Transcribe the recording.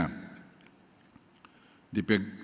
untuk kemajuan sektor transportasi kita